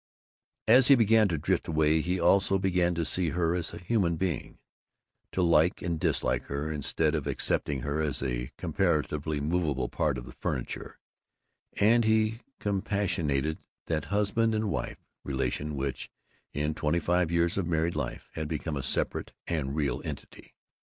As he began to drift away he also began to see her as a human being, to like and dislike her instead of accepting her as a comparatively movable part of the furniture, and he compassionated that husband and wife relation which, in twenty five years of married life, had become a separate and real entity.